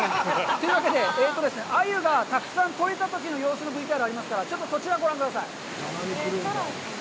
というわけで、アユがたくさん取れたときの様子のＶＴＲがありますからちょっと、そちらをご覧ください。